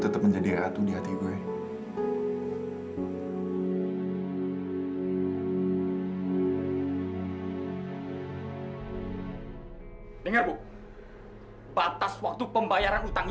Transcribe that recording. tapi ada satu syarat